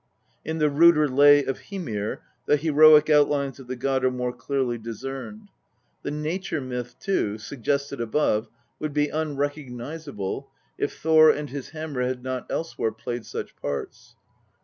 In the ruder Lay of Hymir the heroic outlines of the god are more clearly discerned. The nature myth too, suggested above, would be unrecognisable, if Thor and his hammer had not elsewhere played such parts.